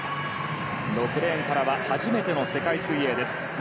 ６レーンからは初めての世界水泳です。